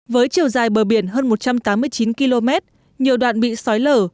với chiều dài bờ biển hơn một trăm tám mươi chín km nhiều đoạn bị sói lở